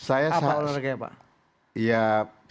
apa olahraganya pak